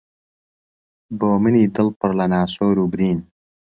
بۆ منی دڵ پڕ لە ناسۆر و برین